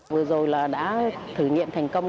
vừa rồi là đã thử nghiệm thành công